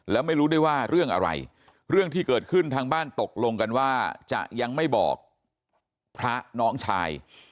แล้วไม่รู้ด้วยว่าเรื่องอะไรเรื่องที่เกิดขึ้นทางบ้านตกลงกันว่าจะยังไม่บอกพระน้องชาย